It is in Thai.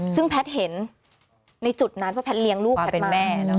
ซึ่งแพทย์เห็นในจุดนั้นว่าแพทย์เลี้ยงลูกแพทย์เป็นแม่